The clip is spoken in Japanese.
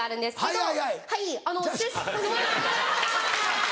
はい！